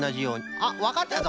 あっわかったぞ！